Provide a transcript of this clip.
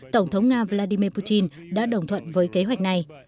tổng thống nga vladimir putin đã đồng thuận với kế hoạch này